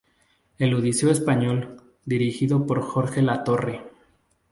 El Odiseo español", dirigido por Jorge Latorre.